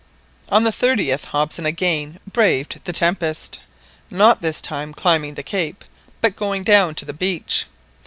On the 30th Hobson again braved the tempest, not this time climbing the cape, but going down to the beach.